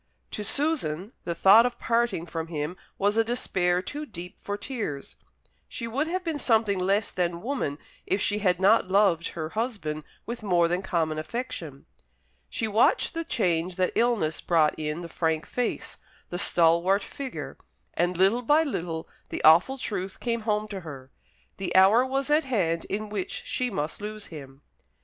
To Susan the thought of parting from him was a despair too deep for tears. She would have been something less than woman if she had not loved her husband with more than common affection. She watched the change that illness brought in the frank face, the stalwart figure; and little by little the awful truth came home to her. The hour was at hand in which she must lose him.